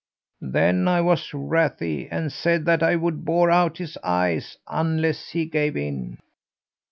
"Then I was wrathy and said that I would bore out his eyes unless he gave in.